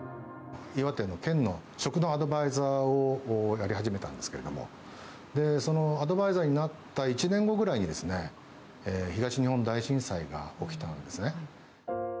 岩手の県の食のアドバイザーをやり始めたんですけれども、そのアドバイザーになった１年後ぐらいにですね、東日本大震災が起きたんですね。